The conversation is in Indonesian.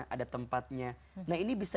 ada tempatnya nah ini bisa